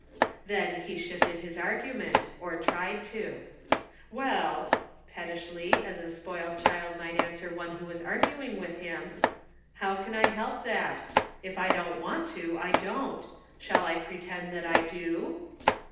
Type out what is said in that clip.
Then he shifted his argument, or tried to. "Well," pettishly, as a spoiled child might answer one who was arguing with him, " how can I help that ? If 1 don't want to, I don't. Shall I pretend that I do